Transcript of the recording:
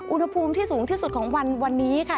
อุณหภูมิที่สูงที่สุดของวันนี้ค่ะ